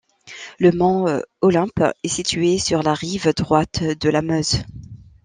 Le mont Olympe est situé sur la rive droite de la Meuse.